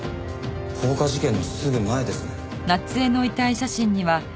放火事件のすぐ前ですね。